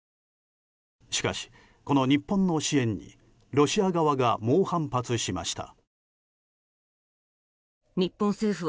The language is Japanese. しかし、この日本の支援にロシア側が猛反発しました。